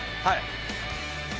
はい。